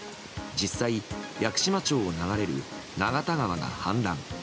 実際、屋久島町を流れる永田川が氾濫。